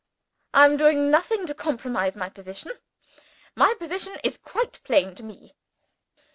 I am doing nothing to compromise my position. My position is quite plain to me.